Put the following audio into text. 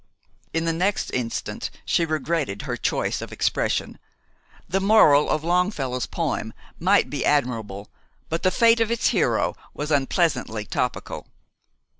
In the next instant she regretted her choice of expression. The moral of Longfellow's poem might be admirable, but the fate of its hero was unpleasantly topical.